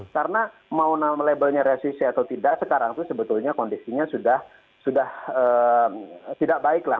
karena mau labelnya resesi atau tidak sekarang itu sebetulnya kondisinya sudah tidak baik lah